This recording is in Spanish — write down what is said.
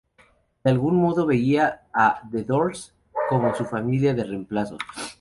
De algún modo veía a The Doors como su familia de reemplazo.